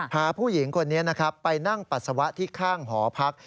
พาผู้หญิงคนนี้นะครับไปนั่งปัสสาวะที่ข้างหอพัก